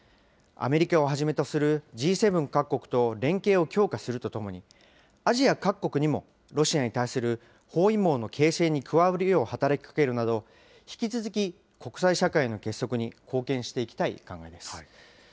アメリカをはじめとするＧ７各国と連携を強化するとともに、アジア各国にもロシアに対する包囲網の形成に加わるよう働きかけるなど、引き続き国際社会の結束に貢献していきたい考えです。